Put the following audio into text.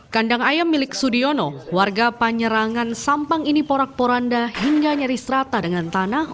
kandang ayam milik sudiono warga panjerangan sampang ini porak poranda hingga nyaris rata dengan tanah